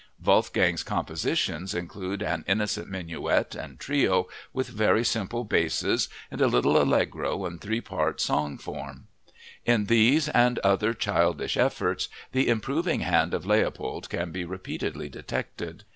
Wolfgang's compositions include an innocent minuet and trio with very simple basses and a little Allegro in three part song form. In these and other childish efforts the improving hand of Leopold can be repeatedly detected.